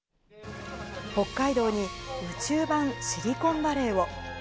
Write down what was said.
北海道に宇宙版シリコンバレーを。